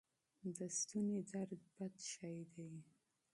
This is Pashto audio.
د ستوني درد بد شی دی.